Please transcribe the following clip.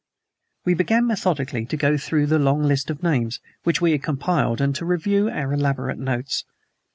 We began methodically to go through the long list of names which we had compiled and to review our elaborate notes.